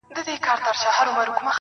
چي سترگو ته يې گورم، وای غزل لیکي.